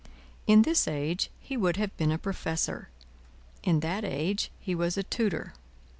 In this age, he would have been a Professor; in that age, he was a Tutor.